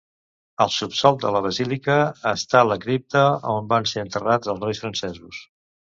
Al subsòl de la basílica està la cripta on van ser enterrats els reis francesos.